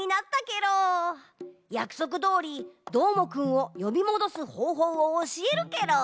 やくそくどおりどーもくんをよびもどすほうほうをおしえるケロ。